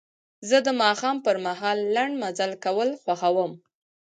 زه د ماښام پر مهال لنډ مزل کول خوښوم.